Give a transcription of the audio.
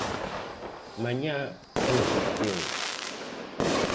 Mañá é o sorteo.